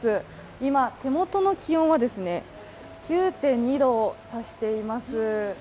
今、手元の気温は９．２度を指しています。